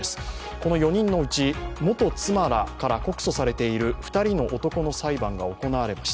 この４人のうち、元妻らから告訴されている２人の男の裁判が行われました。